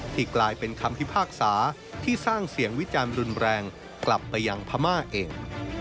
กลายเป็นคำพิพากษาที่สร้างเสียงวิจารณ์รุนแรงกลับไปยังพม่าเอง